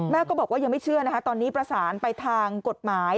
ก็บอกว่ายังไม่เชื่อนะคะตอนนี้ประสานไปทางกฎหมาย